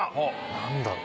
何だろう？